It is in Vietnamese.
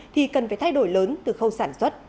thì cần phải thay đổi lớn từ khâu sản xuất